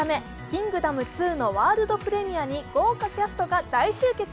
「キングダム２」のワールドプレミアに豪華キャストが大集結。